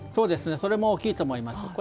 それも大きいと思います。